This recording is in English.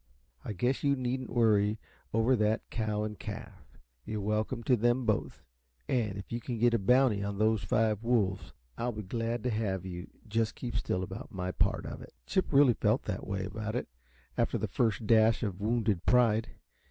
I guess you needn't worry over that cow and calf you're welcome to them both; and if you can get a bounty on those five wolves, I'll be glad to have you. Just keep still about my part of it." Chip really felt that way about it, after the first dash of wounded pride.